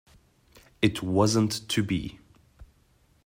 It wasn't to be.